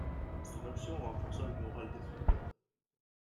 Son action renforça le moral des soldats.